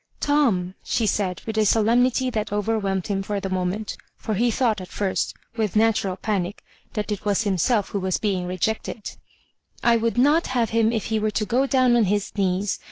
" Tom 1 " she said, with a solemnity that overwhelmed him for the moment, for he thought at first, with natural panic, that it was himself who was being rejected, " I would not have him if he were to go down on his knees.